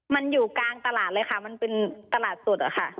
มันอยู่กลางตลาดเลยค่ะมันเป็นตลาดสดอะค่ะ